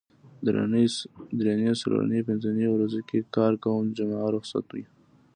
درېنۍ څلورنۍ پینځنۍ ورځو کې کار کوم جمعه روخصت وي